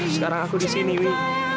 sekarang aku disini dwi